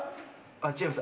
違います。